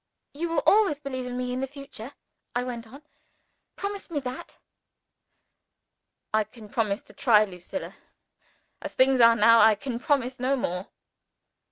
"You will always believe in me in the future?" I went on. "Promise me that." "I can promise to try, Lucilla. As things are now I can promise no more."